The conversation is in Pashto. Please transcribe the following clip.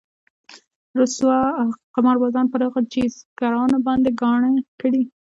رسوا قمار بازان پر هغو جيزګرانو باندې ګاڼه کړي.